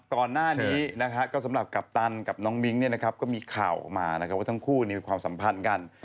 ตอนหน้านี้นะคะก็สำหรับกัปตันกับน้องมิ้งเนี่ยนะครับก็มีข่าวมานะครับว่าทั้งคู่มีความสัมพันธ์กัน